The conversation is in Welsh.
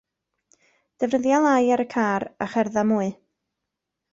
Defnyddia lai ar y car a cherdda mwy.